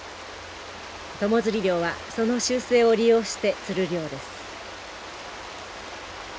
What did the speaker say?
友釣り漁はその習性を利用して釣る漁です。